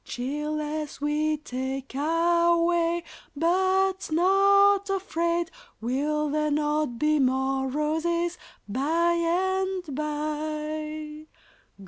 Cheerless we take our way, but not afraid: Will there not be more roses by and by?